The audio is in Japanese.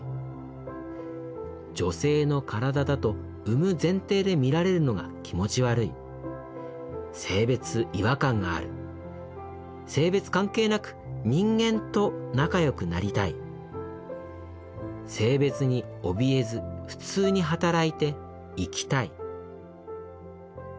女性の体だと産む前提で見られるのが気持ち悪い性別違和感がある性別関係なく人間と仲良くなりたい性別に怯えず普通に働いて生きたい」。